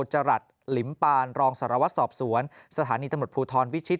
จรัสหลิมปานรองสารวัตรสอบสวนสถานีตำรวจภูทรวิชิต